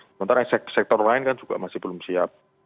sementara sektor lain kan juga masih belum siap